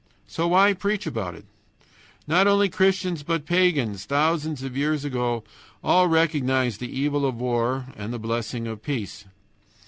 So why preach about it? Not only Christians, but pagans, thousands of years ago, all recognized the evil of war and the blessing of peace.